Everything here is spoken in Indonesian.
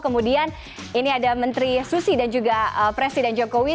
kemudian ini ada menteri susi dan juga presiden jokowi